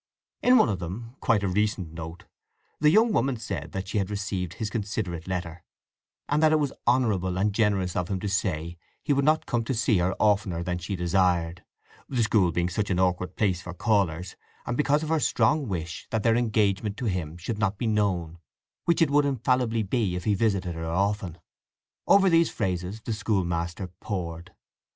In one of them—quite a recent note—the young woman said that she had received his considerate letter, and that it was honourable and generous of him to say he would not come to see her oftener than she desired (the school being such an awkward place for callers, and because of her strong wish that her engagement to him should not be known, which it would infallibly be if he visited her often). Over these phrases the school master pored.